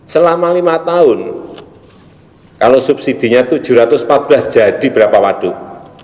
selama lima tahun kalau subsidinya tujuh ratus empat belas jadi berapa waduk